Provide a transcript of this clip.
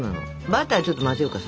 バターちょっと混ぜようか。